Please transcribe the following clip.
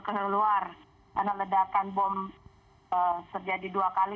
karena luar karena ledakan bom terjadi dua kali